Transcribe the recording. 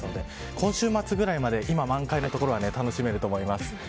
今週末ぐらいまで今、満開の所は楽しめると思います。